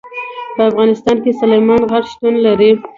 په افغانستان کې سلیمان غر شتون لري.